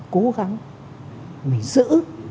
cố gắng mình giữ